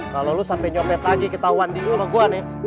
kalau lu sampai nyopet lagi kita wandi sama gue nih